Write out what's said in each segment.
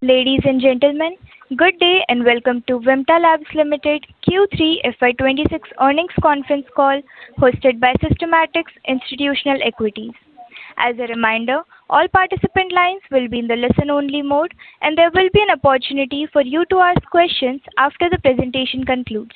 Ladies and gentlemen, good day, and welcome to Vimta Labs Limited Q3 FY26 Earnings Conference Call, hosted by Systematix Institutional Equities. As a reminder, all participant lines will be in the listen-only mode, and there will be an opportunity for you to ask questions after the presentation concludes.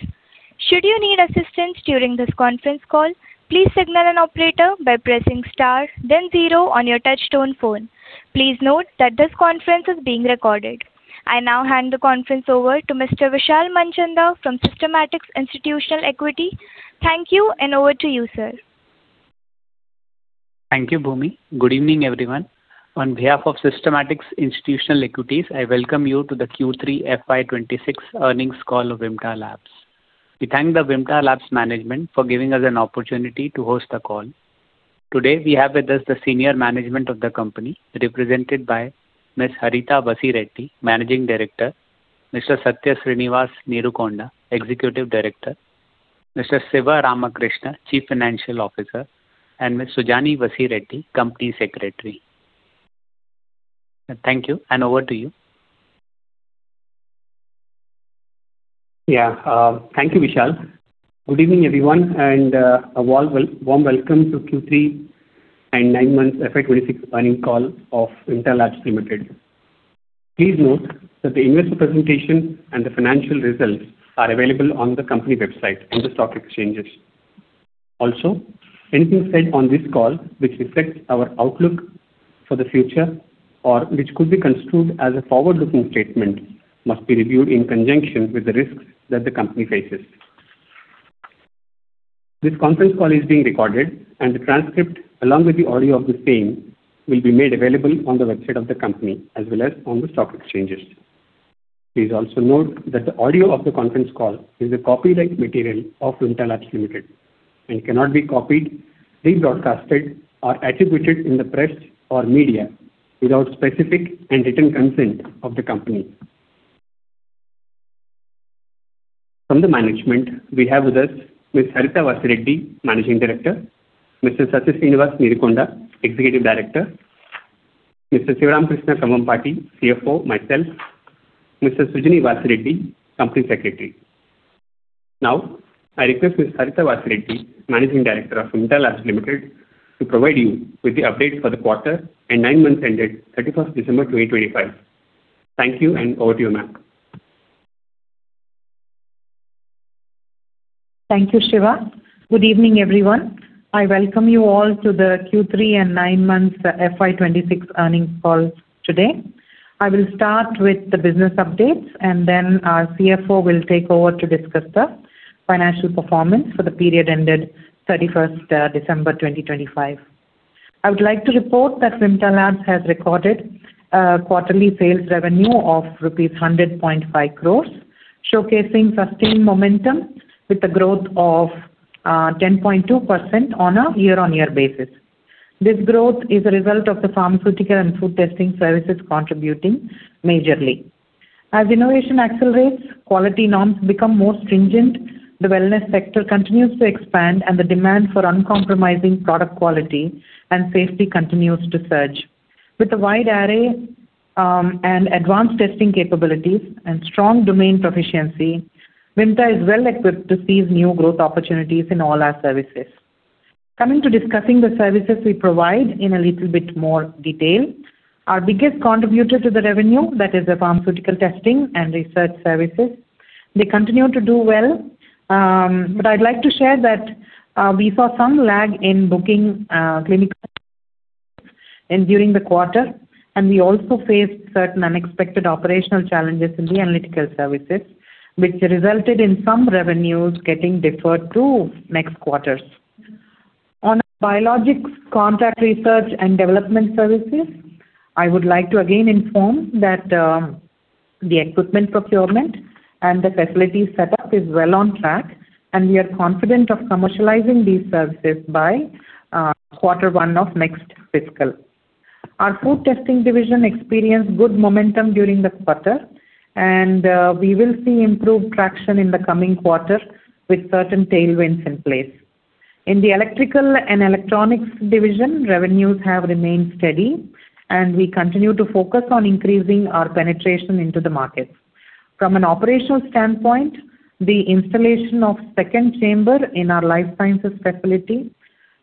Should you need assistance during this conference call, please signal an operator by pressing Star, then Zero on your touchtone phone. Please note that this conference is being recorded. I now hand the conference over to Mr. Vishal Manchanda from Systematix Institutional Equities. Thank you, and over to you, sir. Thank you, Bhumi. Good evening, everyone. On behalf of Systematix Institutional Equities, I welcome you to the Q3 FY26 earnings call of Vimta Labs. We thank the Vimta Labs management for giving us an opportunity to host the call. Today, we have with us the senior management of the company, represented by Ms. Harita Vasireddi, Managing Director, Mr. Satya Sreenivas Neerukonda, Executive Director, Mr. Siva Rama Krishna, Chief Financial Officer, and Ms. Sujani Vasireddi, Company Secretary. Thank you, and over to you. Yeah, thank you, Vishal. Good evening, everyone, and a warm welcome to Q3 and nine months FY26 earnings call of Vimta Labs Limited. Please note that the investor presentation and the financial results are available on the company website and the stock exchanges. Also, anything said on this call which reflects our outlook for the future or which could be construed as a forward-looking statement, must be reviewed in conjunction with the risks that the company faces. This conference call is being recorded, and the transcript, along with the audio of the same, will be made available on the website of the company as well as on the stock exchanges. Please also note that the audio of the conference call is a copyright material of Vimta Labs Limited and cannot be copied, rebroadcast, or attributed in the press or media without specific and written consent of the company. From the management, we have with us Ms. Harita Vasireddi, Managing Director, Mr. Satya Sreenivas Neerukonda, Executive Director, Mr. Siva Rama Krishna Kambhampati, CFO, myself, Ms. Sujani Vasireddi, Company Secretary. Now, I request Ms. Harita Vasireddi, Managing Director of Vimta Labs Limited, to provide you with the update for the quarter and nine months ended 31st December 2025. Thank you, and over to you, ma'am. Thank you, Siva. Good evening, everyone. I welcome you all to the Q3 and 9-month FY26 earnings call today. I will start with the business updates, and then our CFO will take over to discuss the financial performance for the period ended 31st December 2025. I would like to report that Vimta Labs has recorded quarterly sales revenue of rupees 100.5 crores, showcasing sustained momentum with a growth of 10.2% on a year-on-year basis. This growth is a result of the pharmaceutical and food testing services contributing majorly. As innovation accelerates, quality norms become more stringent, the wellness sector continues to expand, and the demand for uncompromising product quality and safety continues to surge. With a wide array and advanced testing capabilities and strong domain proficiency, Vimta is well-equipped to seize new growth opportunities in all our services. Coming to discussing the services we provide in a little bit more detail. Our biggest contributor to the revenue, that is the pharmaceutical testing and research services. They continue to do well, but I'd like to share that, we saw some lag in booking, clinical trials and during the quarter, and we also faced certain unexpected operational challenges in the analytical services, which resulted in some revenues getting deferred to next quarters. On biologics, contract research and development services, I would like to again inform that, the equipment procurement and the facility setup is well on track, and we are confident of commercializing these services by, quarter one of next fiscal. Our food testing division experienced good momentum during the quarter, and, we will see improved traction in the coming quarter with certain tailwinds in place. In the electrical and electronics division, revenues have remained steady, and we continue to focus on increasing our penetration into the market. From an operational standpoint, the installation of second chamber in our life sciences facility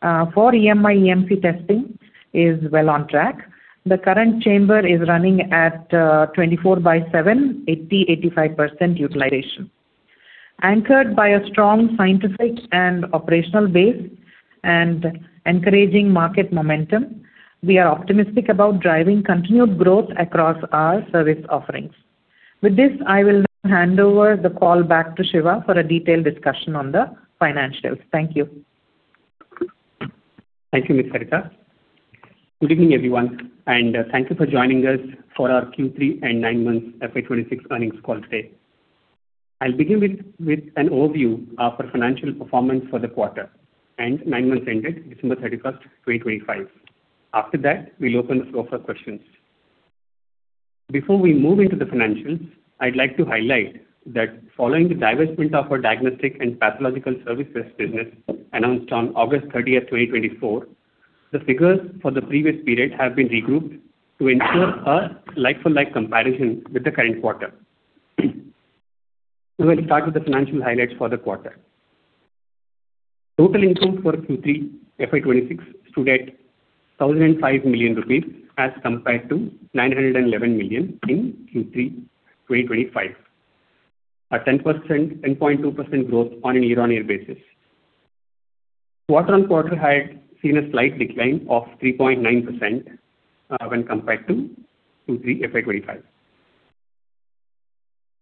for EMI/EMC testing is well on track. The current chamber is running at 24/7, 80%-85% utilization. Anchored by a strong scientific and operational base and encouraging market momentum, we are optimistic about driving continued growth across our service offerings. With this, I will hand over the call back to Siva for a detailed discussion on the financials. Thank you. Thank you, Ms. Harita. Good evening, everyone, and thank you for joining us for our Q3 and nine-month FY26 earnings call today. I'll begin with an overview of our financial performance for the quarter and nine months ended December 31, 2025. After that, we'll open the floor for questions. Before we move into the financials, I'd like to highlight that following the divestment of our diagnostic and pathological services business announced on August 30, 2024. The figures for the previous period have been regrouped to ensure a like-for-like comparison with the current quarter. We will start with the financial highlights for the quarter. Total income for Q3 FY26 stood at 1,005 million rupees, as compared to 911 million in Q3 2025, a 10%, 10.2% growth on a year-on-year basis. Quarter-on-quarter had seen a slight decline of 3.9%, when compared to Q3 FY25.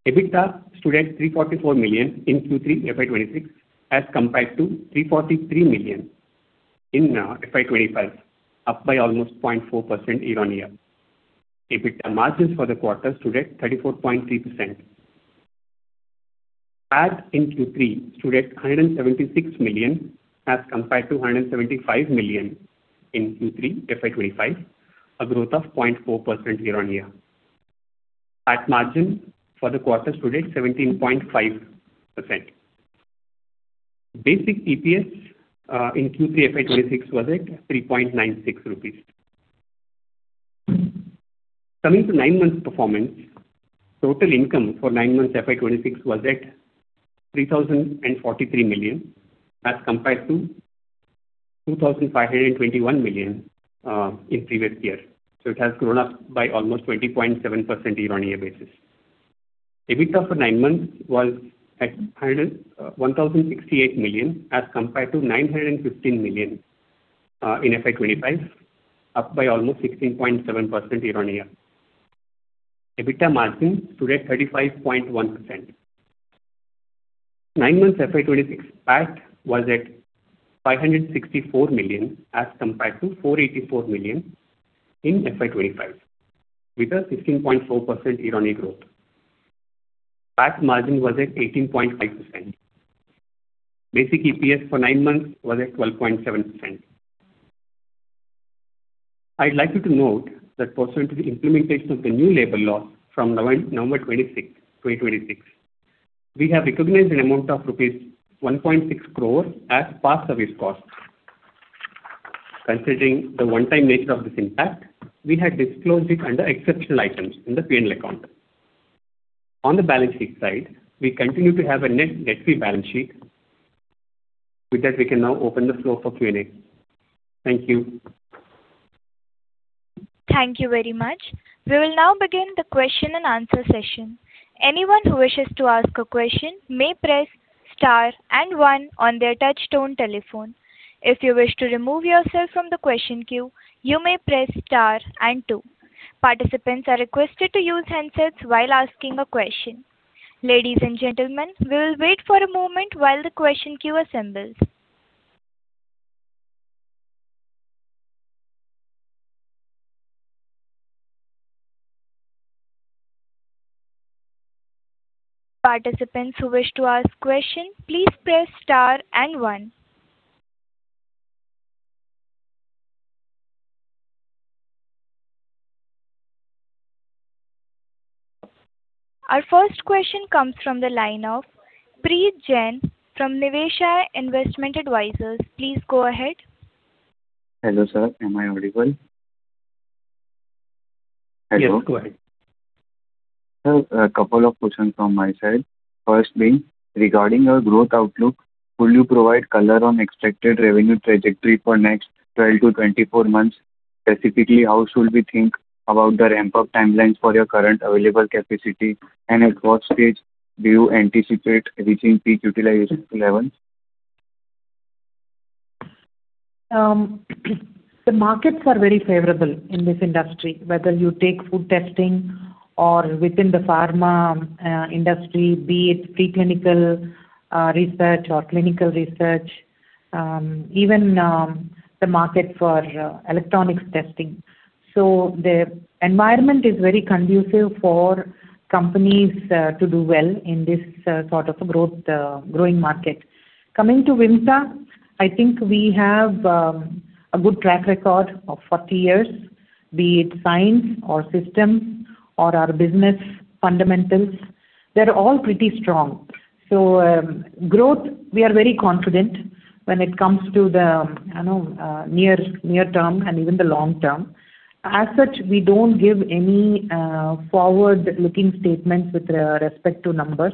EBITDA stood at 344 million in Q3 FY26, as compared to 343 million in FY25, up by almost 0.4% year on year. EBITDA margins for the quarter stood at 34.3%. PAT in Q3 stood at 176 million, as compared to 175 million in Q3 FY25, a growth of 0.4% year on year. PAT margin for the quarter stood at 17.5%. Basic EPS in Q3 FY26 was at 3.96 rupees. Coming to nine months' performance, total income for nine months FY 2026 was at 3,043 million, as compared to 2,521 million in previous year, so it has grown up by almost 20.7% year-on-year basis. EBITDA for nine months was at 1,068 million, as compared to 915 million in FY 2025, up by almost 16.7% year-on-year. EBITDA margin stood at 35.1%. Nine months FY 2026, PAT was at 564 million, as compared to 484 million in FY 2025, with a 16.4% year-on-year growth. PAT margin was at 18.5%. Basic EPS for nine months was at INR 12.7%. I'd like you to note that pursuant to the implementation of the new labor law from November 26, 2026, we have recognized an amount of rupees 1.6 crore as past service costs. Considering the one-time nature of this impact, we have disclosed it under exceptional items in the P&L account. On the balance sheet side, we continue to have a net debt-free balance sheet. With that, we can now open the floor for Q&A. Thank you. Thank you very much. We will now begin the question and answer session. Anyone who wishes to ask a question may press star and one on their touchtone telephone. If you wish to remove yourself from the question queue, you may press star and two. Participants are requested to use handsets while asking a question. Ladies and gentlemen, we will wait for a moment while the question queue assembles. Participants who wish to ask question, please press star and one. Our first question comes from the line of Preet Jain from Niveshaay Investment Advisors. Please go ahead. Hello, sir, am I audible? Hello? Yes, go ahead. Sir, a couple of questions from my side. First being, regarding our growth outlook, could you provide color on expected revenue trajectory for next 12-24 months? Specifically, how should we think about the ramp-up timelines for your current available capacity, and at what stage do you anticipate reaching peak utilization levels? The markets are very favorable in this industry. Whether you take food testing or within the pharma industry, be it preclinical research or clinical research, even the market for electronics testing. So the environment is very conducive for companies to do well in this sort of a growth growing market. Coming to Vimta, I think we have a good track record of 40 years, be it science or systems or our business fundamentals, they're all pretty strong. So growth, we are very confident when it comes to the, I know, near near term and even the long term. As such, we don't give any forward-looking statements with respect to numbers,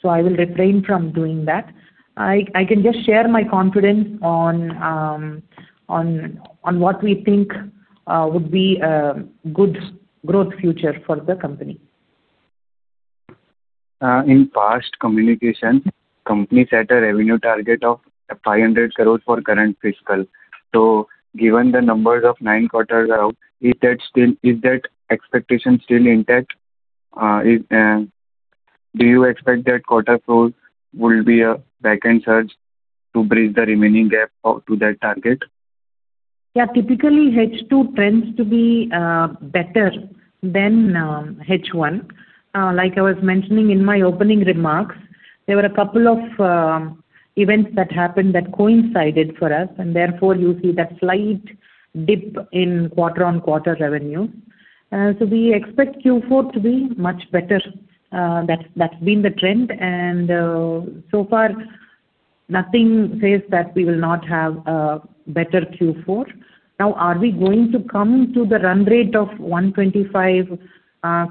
so I will refrain from doing that. I can just share my confidence on what we think would be a good growth future for the company. In past communication, company set a revenue target of 500 crore for current fiscal. So given the numbers of 9 quarters are out, is that expectation still intact? Do you expect that quarter growth will be a back-end surge to bridge the remaining gap to that target? Yeah, typically, H2 tends to be better than H1. Like I was mentioning in my opening remarks, there were a couple of events that happened that coincided for us, and therefore you see that slight dip in quarter-on-quarter revenue. So we expect Q4 to be much better, that's been the trend, and so far nothing says that we will not have a better Q4. Now, are we going to come to the run rate of 125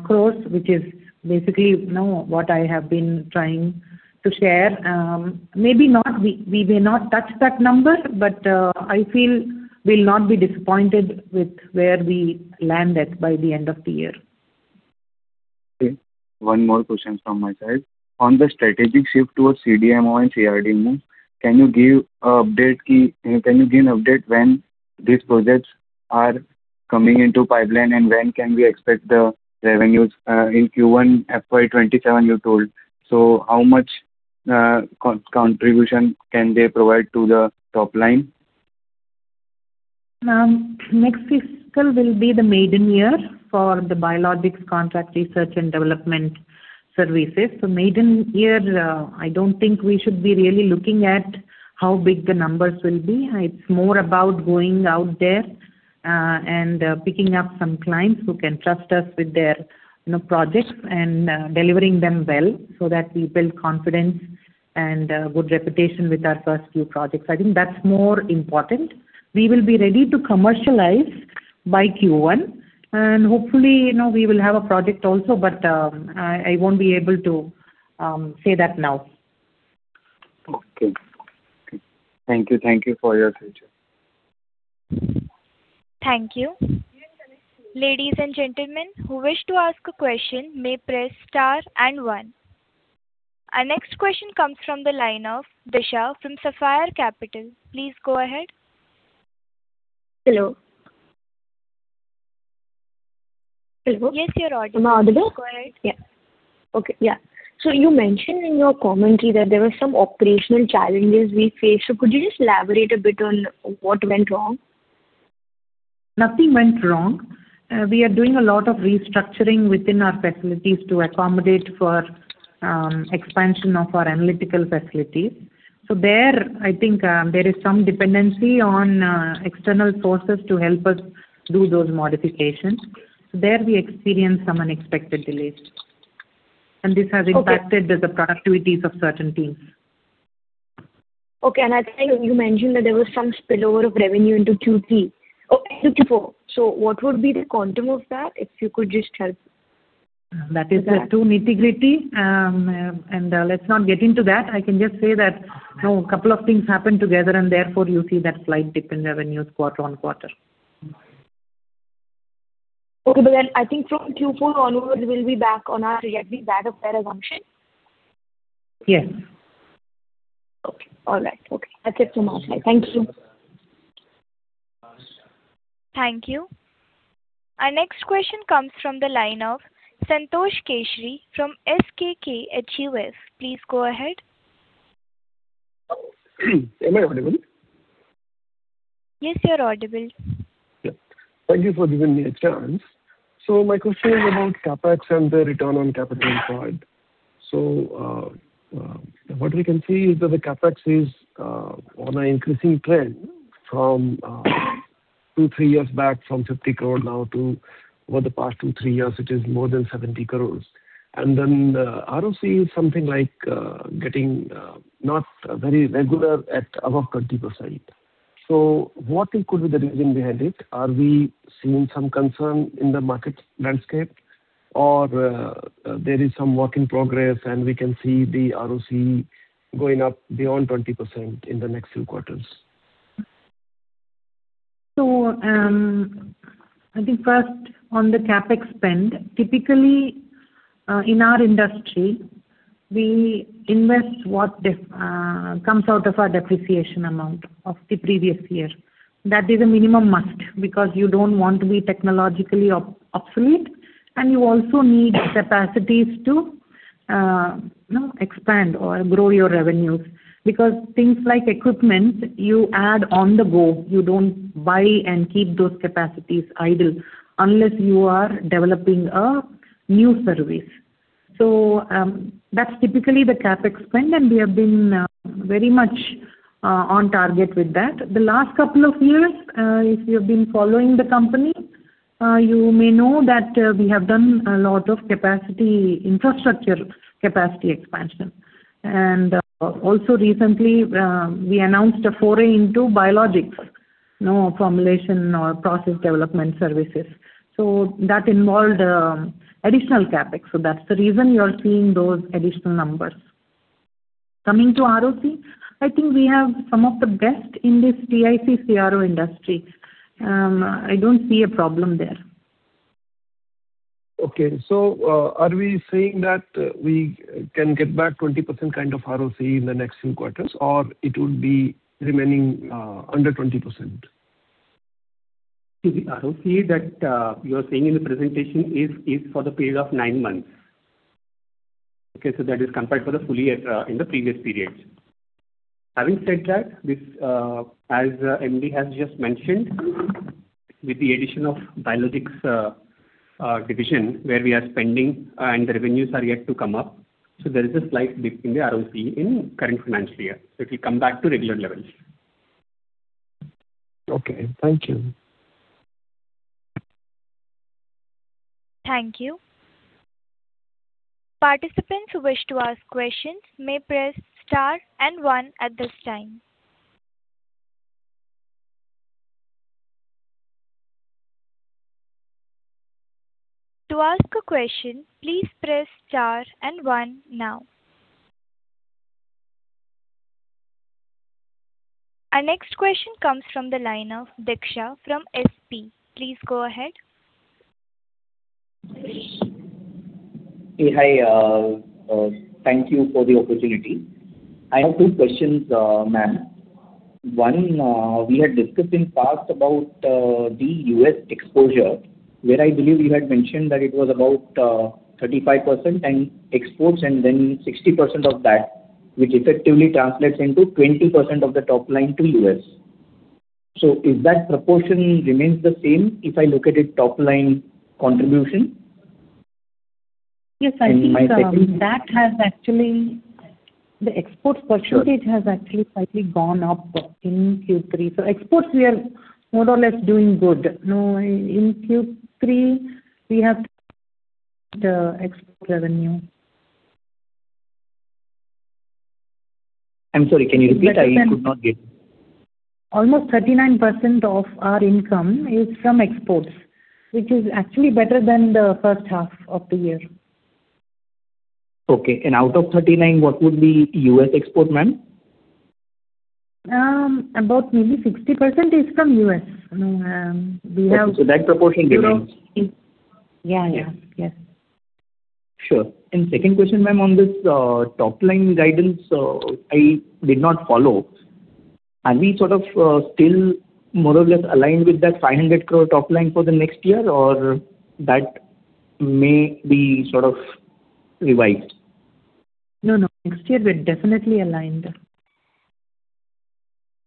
crores, which is basically, you know, what I have been trying to share? Maybe not. We may not touch that number, but I feel we'll not be disappointed with where we land at by the end of the year. Okay. One more question from my side. On the strategic shift towards CDMO and CRDMO, can you give a update, can you give an update when these projects are coming into pipeline, and when can we expect the revenues in Q1 FY27, you told. So how much contribution can they provide to the top line? Next fiscal will be the maiden year for the biologics contract research and development services. So maiden year, I don't think we should be really looking at how big the numbers will be. It's more about going out there and picking up some clients who can trust us with their, you know, projects and delivering them well, so that we build confidence and good reputation with our first few projects. I think that's more important. We will be ready to commercialize by Q1, and hopefully, you know, we will have a project also, but I won't be able to say that now. Okay. Thank you. Thank you for your attention. Thank you. Ladies and gentlemen, who wish to ask a question may press star and one. Our next question comes from the line of Disha from Sapphire Capital. Please go ahead. Hello? Hello. Yes, you're audible. Am I audible? Go ahead. Yeah. Okay, yeah. So you mentioned in your commentary that there were some operational challenges we faced. So could you just elaborate a bit on what went wrong? Nothing went wrong. We are doing a lot of restructuring within our facilities to accommodate for expansion of our analytical facility. So there, I think, there is some dependency on external sources to help us do those modifications. So there we experienced some unexpected delays, and this has impacted. Okay. The productivities of certain teams. Okay, and I think you mentioned that there was some spillover of revenue into Q3 or Q4. So what would be the quantum of that, if you could just help? That is too nitty-gritty, and let's not get into that. I can just say that, you know, a couple of things happened together, and therefore you see that slight dip in revenues quarter-on-quarter. Okay. But then I think from Q4 onwards, we'll be back on our yearly bad debt assumption? Yes. Okay. All right. Okay, that's it from my side. Thank you. Thank you. Our next question comes from the line of Santosh Keshri from SKK HUF. Please go ahead. Am I audible? Yes, you're audible. Yeah. Thank you for giving me a chance. So my question is about CapEx and the return on capital employed. So, what we can see is that the CapEx is on an increasing trend from 2-3 years back, from 50 crore now to over the past 2-3 years, it is more than 70 crore. And then, ROC is something like getting not very regular at above 20%. So what could be the reason behind it? Are we seeing some concern in the market landscape, or there is some work in progress, and we can see the ROC going up beyond 20% in the next few quarters? So, I think first on the CapEx spend, typically, in our industry, we invest what comes out of our depreciation amount of the previous year. That is a minimum must, because you don't want to be technologically obsolete, and you also need capacities to, you know, expand or grow your revenues. Because things like equipment, you add on the go, you don't buy and keep those capacities idle unless you are developing a new service. So, that's typically the CapEx spend, and we have been very much on target with that. The last couple of years, if you've been following the company, you may know that we have done a lot of capacity, infrastructure capacity expansion. And, also recently, we announced a foray into biologics, you know, formulation or process development services. That involved additional CapEx. That's the reason you are seeing those additional numbers. Coming to ROC, I think we have some of the best in this TIC CRO industry. I don't see a problem there. Okay. So, are we saying that we can get back 20% kind of ROC in the next few quarters, or it would be remaining under 20%? The ROC that you are saying in the presentation is, is for the period of nine months. Okay? So that is compared to the full year, in the previous periods. Having said that, this, as MD has just mentioned, with the addition of biologics, division, where we are spending and the revenues are yet to come up, so there is a slight dip in the ROC in current financial year. So it will come back to regular levels. Okay, thank you. Thank you. Participants who wish to ask questions may press star and one at this time. To ask a question, please press star and one now. Our next question comes from the line of Diksha from SP. Please go ahead. Hey. Hi, thank you for the opportunity. I have two questions, ma'am. One, we had discussed in past about the U.S. exposure, where I believe you had mentioned that it was about 35% and exports, and then 60% of that, which effectively translates into 20% of the top line to U.S. So if that proportion remains the same, if I look at it, top line contribution? Yes, I think. And my second. That has actually, the export percentage- Sure. has actually slightly gone up in Q3. So exports, we are more or less doing good. No, in, in Q3, we have the export revenue. I'm sorry. Can you repeat? I could not get. Almost 39% of our income is from exports, which is actually better than the first half of the year. Okay. And out of 39, what would be U.S. export, ma'am? About maybe 60% is from U.S. We have. So that proportion remains? Yeah, yeah. Yes. Sure. Second question, ma'am, on this top line guidance, I did not follow. Are we sort of still more or less aligned with that 500 crore top line for the next year, or that may be sort of revised? No, no. Next year, we're definitely aligned.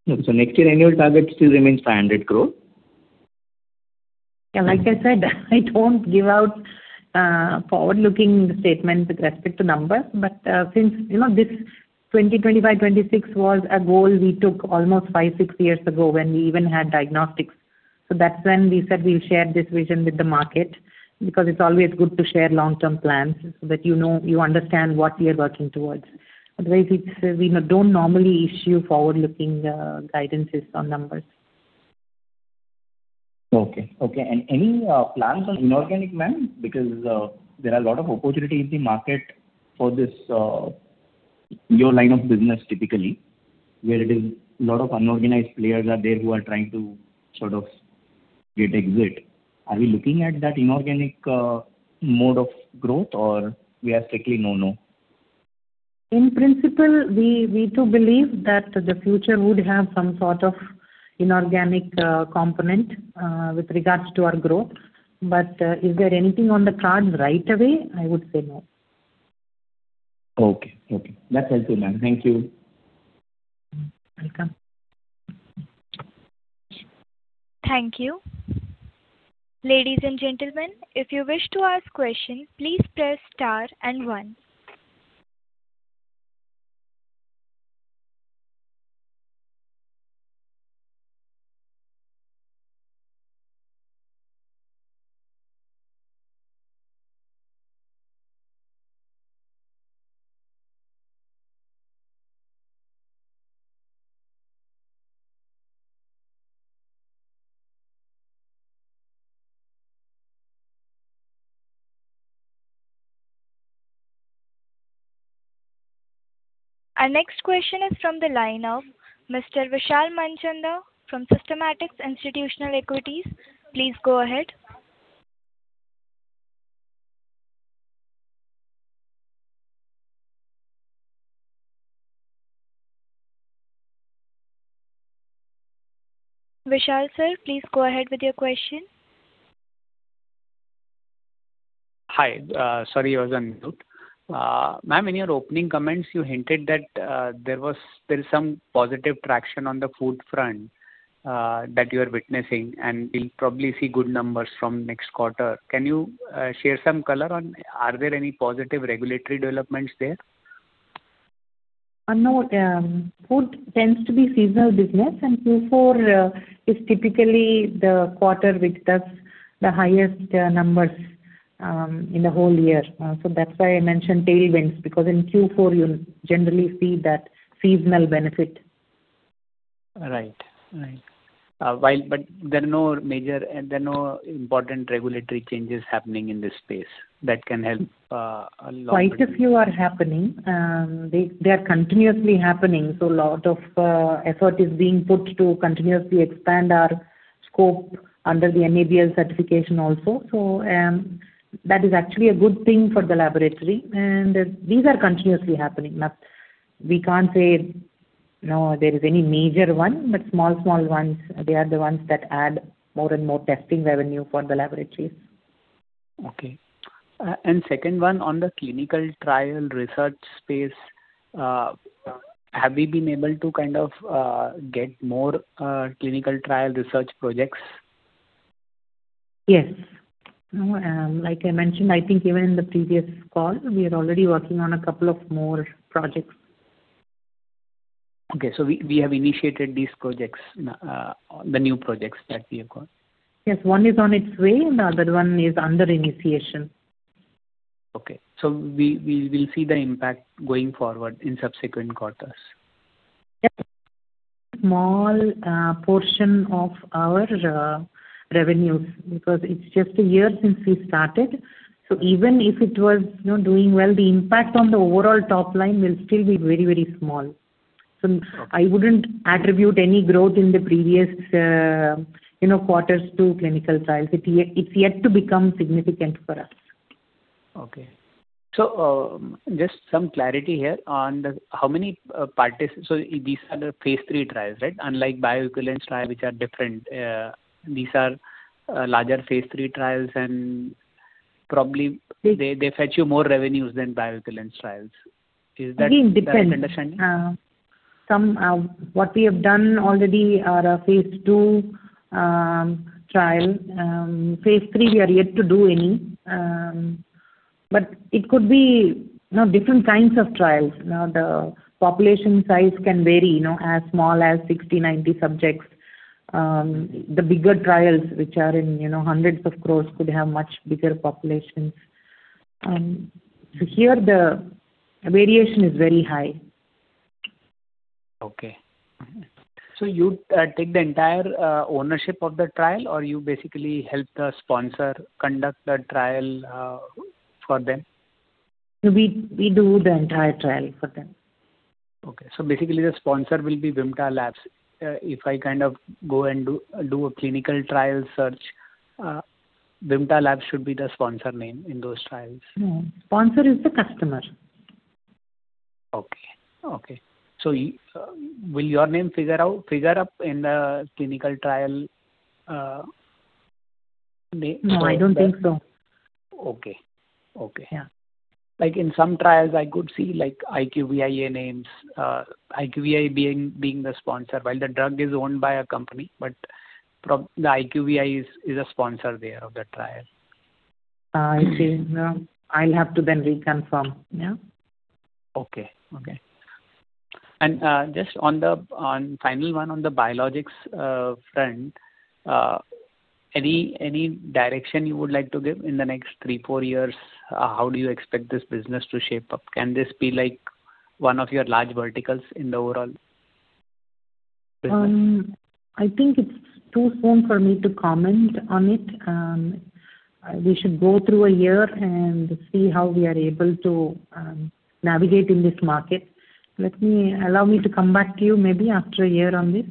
Okay. Next year, annual target still remains 500 crore? Yeah, like I said, I don't give out forward-looking statement with respect to numbers. But, since, you know, this 2025 by 2026 was a goal we took almost 5, 6 years ago when we even had diagnostics. So that's when we said we'll share this vision with the market, because it's always good to share long-term plans so that you know, you understand what we are working towards. Otherwise, it's we don't normally issue forward-looking guidances on numbers. Okay. Okay, and any plans on inorganic, ma'am? Because, there are a lot of opportunity in the market for this, your line of business typically, where it is a lot of unorganized players are there who are trying to sort of get exit. Are we looking at that inorganic, mode of growth, or we are strictly no, no? In principle, we, we too believe that the future would have some sort of inorganic, component, with regards to our growth. But, is there anything on the cards right away? I would say no. Okay. Okay. That's helpful, ma'am. Thank you. Welcome. Thank you. Ladies and gentlemen, if you wish to ask questions, please press star and one. Our next question is from the line of Mr. Vishal Manchanda from Systematix Institutional Equities. Please go ahead. Vishal, sir, please go ahead with your question. Hi. Sorry, I was on mute. Ma'am, in your opening comments, you hinted that there was still some positive traction on the food front that you are witnessing, and we'll probably see good numbers from next quarter. Can you share some color on, are there any positive regulatory developments there? No. Food tends to be seasonal business, and Q4 is typically the quarter which does the highest numbers in the whole year. So that's why I mentioned tailwinds, because in Q4, you'll generally see that seasonal benefit. Right. Right. While. But there are no major, there are no important regulatory changes happening in this space that can help, a lot. Quite a few are happening. They are continuously happening, so a lot of effort is being put to continuously expand our scope under the NABL certification also. So, that is actually a good thing for the laboratory, and these are continuously happening. Now, we can't say, no, there is any major one, but small, small ones, they are the ones that add more and more testing revenue for the laboratories. Okay. And second one, on the clinical trial research space, have we been able to kind of get more clinical trial research projects? Yes. No, like I mentioned, I think even in the previous call, we are already working on a couple of more projects. Okay. So we have initiated these projects, the new projects that we have got? Yes, one is on its way, and the other one is under initiation. Okay. So we will see the impact going forward in subsequent quarters? Yeah. Small portion of our revenues, because it's just a year since we started. So even if it was, you know, doing well, the impact on the overall top line will still be very, very small. So I wouldn't attribute any growth in the previous, you know, quarters to clinical trials. It's yet to become significant for us. Okay. So, just some clarity here on the... how many, so these are the phase three trials, right? Unlike bioequivalence trial, which are different. These are larger phase three trials, and probably they, they fetch you more revenues than bioequivalence trials. Is that- It depends. My understanding. What we have done already are phase two trial. Phase three, we are yet to do any. But it could be, you know, different kinds of trials. You know, the population size can vary, you know, as small as 60, 90 subjects. The bigger trials, which are in, you know, hundreds of crores, could have much bigger populations. So here the variation is very high. Okay. So you take the entire ownership of the trial, or you basically help the sponsor conduct the trial for them? We do the entire trial for them. Okay. So basically, the sponsor will be Vimta Labs. If I kind of go and do a clinical trial search, Vimta Labs should be the sponsor name in those trials. No. Sponsor is the customer. Okay, okay. So, will your name figure out... figure up in the clinical trial name? No, I don't think so. Okay. Okay. Like, in some trials, I could see, like, IQVIA names, IQVIA being the sponsor. While the drug is owned by a company, but the IQVIA is a sponsor there of the trial. I see. No, I'll have to then reconfirm. Yeah. Okay, okay. Just on the final one, on the biologics front, any direction you would like to give in the next 3-4 years? How do you expect this business to shape up? Can this be like one of your large verticals in the overall business? I think it's too soon for me to comment on it. We should go through a year and see how we are able to navigate in this market. Let me allow me to come back to you maybe after a year on this.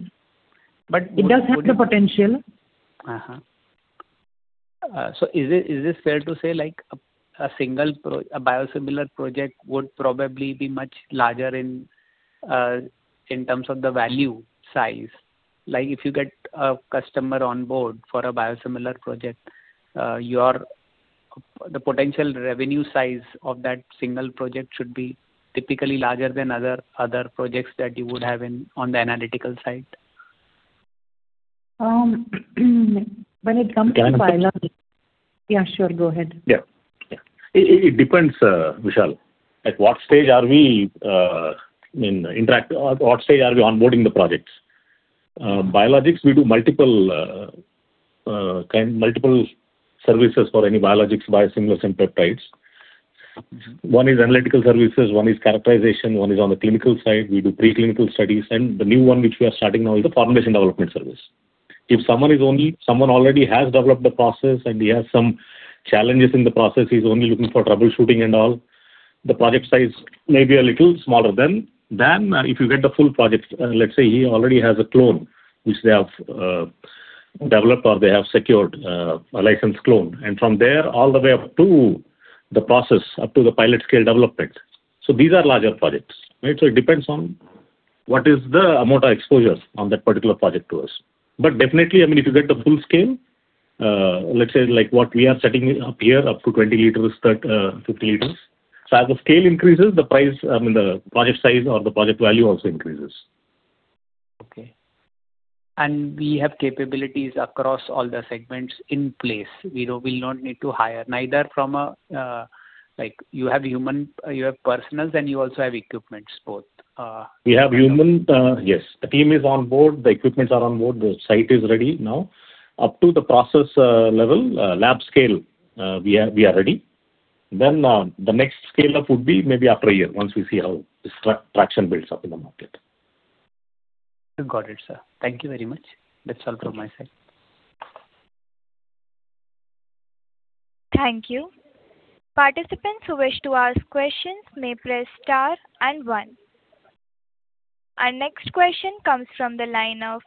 But. It does have the potential. So is it fair to say, like, a single biosimilar project would probably be much larger in terms of the value size? Like, if you get a customer on board for a biosimilar project, the potential revenue size of that single project should be typically larger than other projects that you would have in on the analytical side? When it comes to biolog. Can I. Yeah, sure. Go ahead. Yeah, yeah. It depends, Vishal. What stage are we onboarding the projects? Biologics, we do multiple services for any biologics, biosimilars and peptides. One is analytical services, one is characterization, one is on the clinical side. We do preclinical studies, and the new one, which we are starting now, is the formulation development service. If someone is only--someone already has developed the process and he has some challenges in the process, he's only looking for troubleshooting and all, the project size may be a little smaller than if you get the full project. Let's say he already has a clone, which they have developed, or they have secured a licensed clone, and from there, all the way up to the process, up to the pilot scale development. So these are larger projects, right? So it depends on what is the amount of exposure on that particular project to us. But definitely, I mean, if you get the full scale, let's say like what we are setting up here, up to 20 liters, 30, 50 liters. So as the scale increases, the price, I mean, the project size or the project value also increases. Okay. We have capabilities across all the segments in place. We don't, we'll not need to hire neither from a, like you have human, you have personnel, and you also have equipment, both, We have human, yes. The team is on board, the equipment is on board. The site is ready now. Up to the process level, lab scale, we are ready. Then, the next scale-up would be maybe after a year, once we see how this traction builds up in the market. We got it, sir. Thank you very much. That's all from my side. Thank you. Participants who wish to ask questions may press star and one. Our next question comes from the line of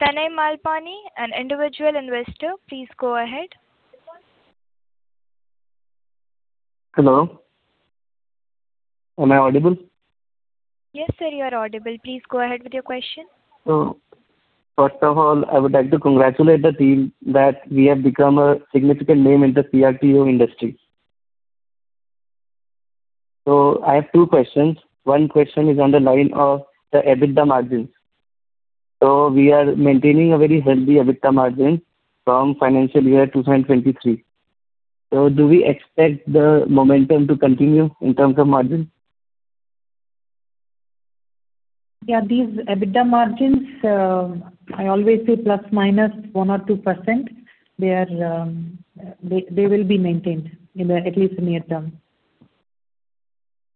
Tanay Malpani, an individual investor. Please go ahead. Hello, am I audible? Yes, sir, you are audible. Please go ahead with your question. So, first of all, I would like to congratulate the team that we have become a significant name in the CRO industry. So I have two questions. One question is on the line of the EBITDA margins. So we are maintaining a very healthy EBITDA margin from financial year 2023. So do we expect the momentum to continue in terms of margins? Yeah, these EBITDA margins, I always say ±1% or 2%. They are, they will be maintained, at least in the near term.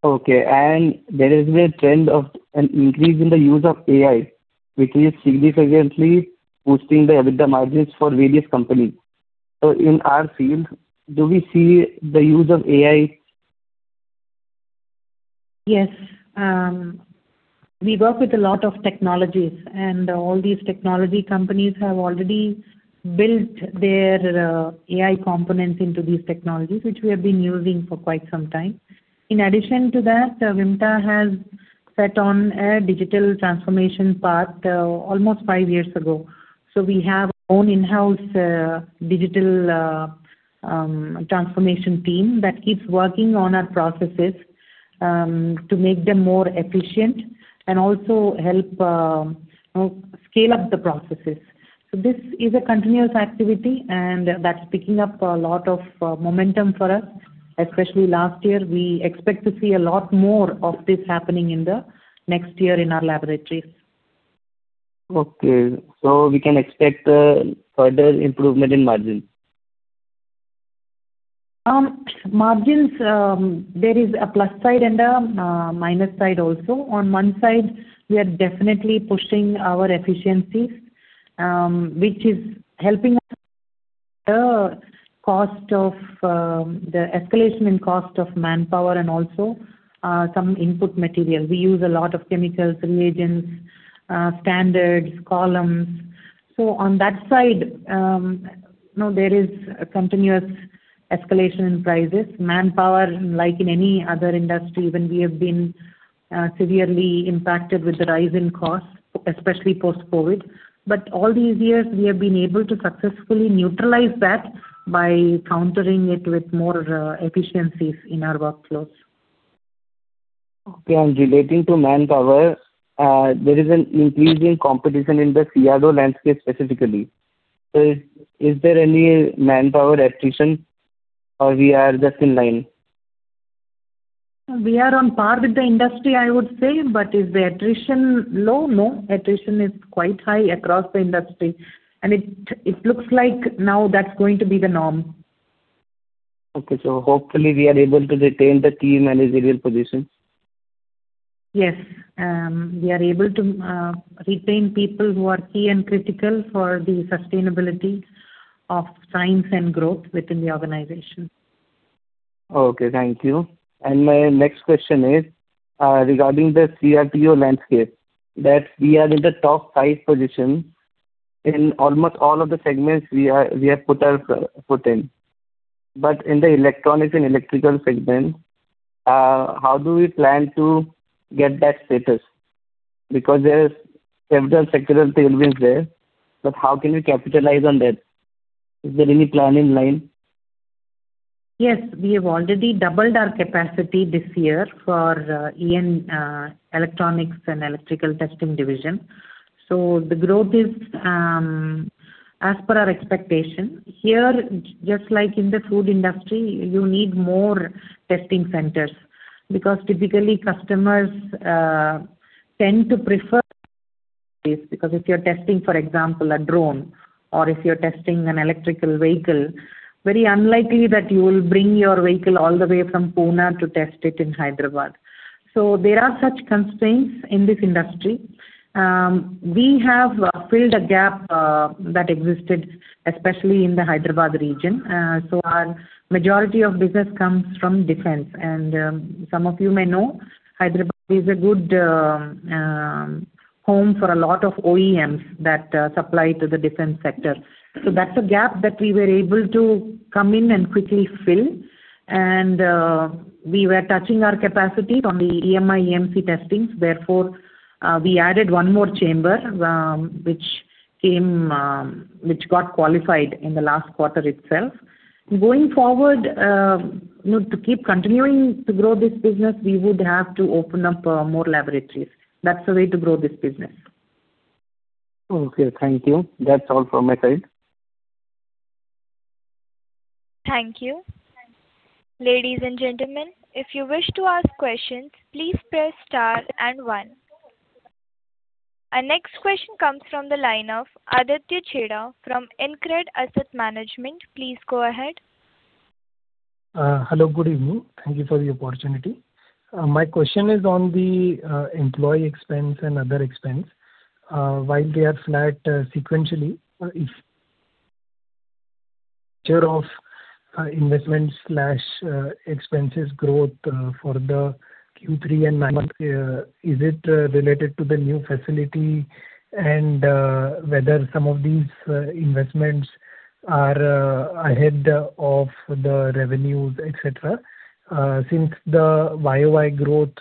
Okay, and there is a trend of an increase in the use of AI, which is significantly boosting the EBITDA margins for various companies. In our field, do we see the use of AI? Yes. We work with a lot of technologies, and all these technology companies have already built their AI components into these technologies, which we have been using for quite some time. In addition to that, Vimta has set on a digital transformation path almost five years ago. So we have own in-house digital transformation team that keeps working on our processes to make them more efficient and also help scale up the processes. So this is a continuous activity, and that's picking up a lot of momentum for us, especially last year. We expect to see a lot more of this happening in the next year in our laboratories. Okay. So we can expect a further improvement in margins? Margins, there is a plus side and a minus side also. On one side, we are definitely pushing our efficiencies, which is helping us the cost of the escalation in cost of manpower and also some input materials. We use a lot of chemicals, reagents, standards, columns. So on that side, you know, there is a continuous escalation in prices. Manpower, like in any other industry, when we have been severely impacted with the rise in costs, especially post-COVID. But all these years we have been able to successfully neutralize that by countering it with more efficiencies in our workflows. Okay, and relating to manpower, there is an increase in competition in the CRO landscape specifically. So is there any manpower attrition, or we are just in line? We are on par with the industry, I would say, but is the attrition low? No, attrition is quite high across the industry, and it looks like now that's going to be the norm. Okay, hopefully we are able to retain the key managerial positions. Yes. We are able to retain people who are key and critical for the sustainability of science and growth within the organization. Okay, thank you. My next question is regarding the CRO landscape, that we are in the top five position. In almost all of the segments we have put our foot in. But in the electronics and electrical segment, how do we plan to get that status? Because there is several sectoral players there, but how can we capitalize on that? Is there any plan in line? Yes, we have already doubled our capacity this year for electronics and electrical testing division. So the growth is as per our expectation. Here, just like in the food industry, you need more testing centers, because typically customers tend to prefer this, because if you're testing, for example, a drone or if you're testing an electric vehicle, very unlikely that you will bring your vehicle all the way from Pune to test it in Hyderabad. So there are such constraints in this industry. We have filled a gap that existed, especially in the Hyderabad region. So our majority of business comes from defense. Some of you may know, Hyderabad is a good home for a lot of OEMs that supply to the defense sector. So that's a gap that we were able to come in and quickly fill. And, we were touching our capacity on the EMI, EMC testings. Therefore, we added one more chamber, which got qualified in the last quarter itself. Going forward, you know, to keep continuing to grow this business, we would have to open up more laboratories. That's the way to grow this business. Okay, thank you. That's all from my side. Thank you. Ladies and gentlemen, if you wish to ask questions, please press star and one. Our next question comes from the line of Aditya Chheda from InCred Asset Management. Please go ahead. Hello, good evening. Thank you for the opportunity. My question is on the employee expense and other expense. While they are flat sequentially, nature of investment slash expenses growth for the Q3 and nine months, is it related to the new facility? And whether some of these investments are ahead of the revenues, et cetera. Since the YOY growth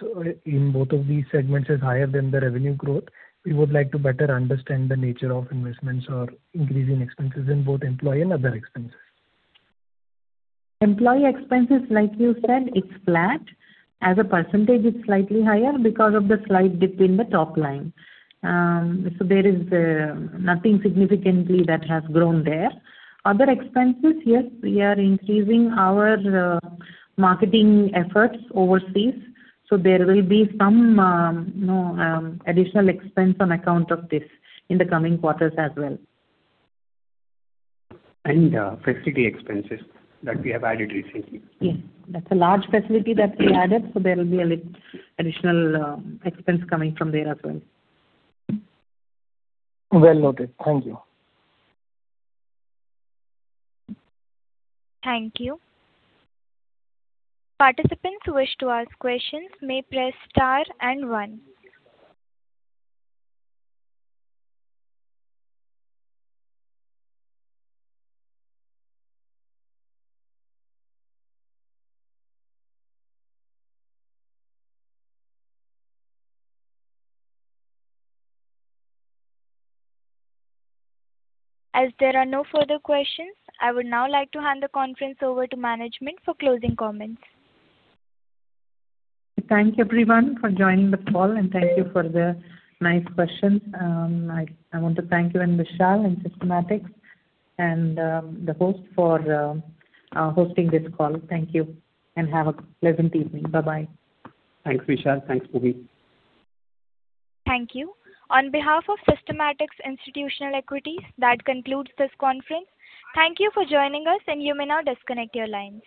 in both of these segments is higher than the revenue growth, we would like to better understand the nature of investments or increase in expenses in both employee and other expenses. Employee expenses, like you said, it's flat. As a percentage, it's slightly higher because of the slight dip in the top line. So there is nothing significantly that has grown there. Other expenses, yes, we are increasing our marketing efforts overseas, so there will be some, you know, additional expense on account of this in the coming quarters as well. Facility expenses that we have added recently. Yes, that's a large facility that we added, so there will be a little additional expense coming from there as well. Well noted. Thank you. Thank you. Participants who wish to ask questions may press star and one. As there are no further questions, I would now like to hand the conference over to management for closing comments. Thank you, everyone, for joining the call, and thank you for the nice questions. I want to thank you and Vishal and Systematix and the host for hosting this call. Thank you, and have a pleasant evening. Bye-bye.Thanks, Vishal. Thanks, Bhumi. Thank you. On behalf of Systematix Institutional Equities, that concludes this conference. Thank you for joining us, and you may now disconnect your lines.